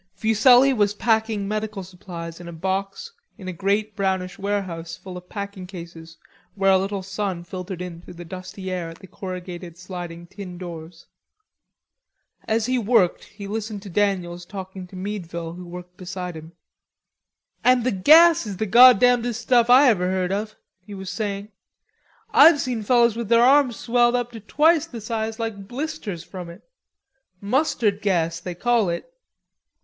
Fuselli was packing medical supplies in a box in a great brownish warehouse full of packing cases where a little sun filtered in through the dusty air at the corrugated sliding tin doors. As he worked, he listened to Daniels talking to Meadville who worked beside him. "An' the gas is the goddamndest stuff I ever heard of," he was saying. "I've seen fellers with their arms swelled up to twice the size like blisters from it. Mustard gas, they call it."